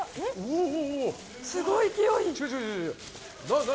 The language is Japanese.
すごい勢い。